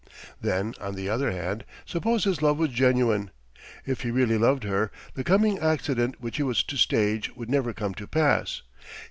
Then, on the other hand, suppose his love was genuine. If he really loved her, the coming accident which he was to stage would never come to pass.